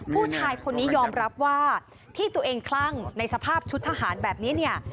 ผู้ชายคนนี้ยอมรับว่าที่ตัวเองคลั่งในสภาพชุดทหารแบบนี้เนี่ย